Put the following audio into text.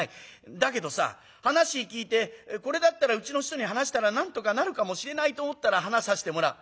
だけどさ話聞いてこれだったらうちの人に話したらなんとかなるかもしれないと思ったら話させてもらう。